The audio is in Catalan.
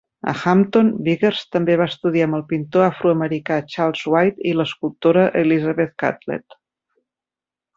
A Hampton, Biggers també va estudiar amb el pintor afroamericà Charles White i l'escultora Elizabeth Catlett.